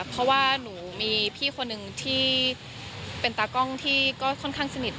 เพราะว่าหนูมีพี่คนหนึ่งที่เป็นตากล้องที่ก็ค่อนข้างสนิท